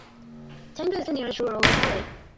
Tenga is the nearest rural locality.